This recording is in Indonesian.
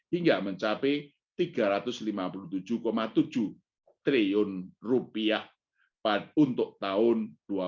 hingga mencapai rp tiga ratus lima puluh tujuh tujuh triliun rupiah untuk tahun dua ribu dua puluh